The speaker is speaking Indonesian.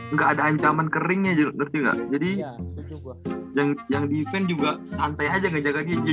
nggak ada ancaman keringnya ngerti nggak jadi yang yang di event juga santai aja ngejaga dia